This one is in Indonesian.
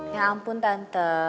ya ampun tante